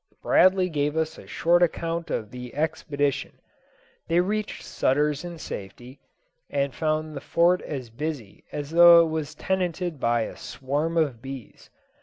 Bradley gave us a short account of the expedition. They reached Sutter's in safety, and found the Fort as busy as though it was tenanted by a swarm of bees.